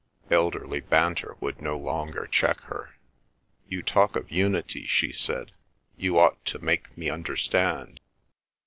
Elderly banter would no longer check her. "You talk of unity," she said. "You ought to make me understand."